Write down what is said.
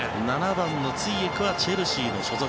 ７番のツィエクはチェルシーの所属。